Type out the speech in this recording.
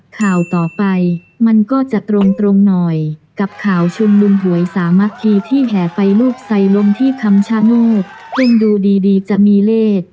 ข่าวต่อไปมันก็จะตรงตรงหน่อยกับข่าวชุมนุมหวยสามัคคีที่แห่ไปรูปใส่ลมที่คำชาโนธซึ่งดูดีดีจะมีเลข